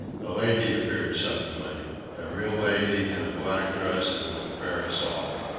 A lady appeared suddenly. A real lady, in a black dress and with a parasol.